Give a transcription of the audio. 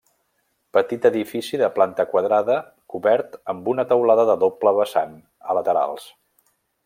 Petit edifici de planta quadrada cobert amb una teulada de doble vessant a laterals.